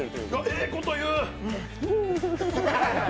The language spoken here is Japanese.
ええこと言う！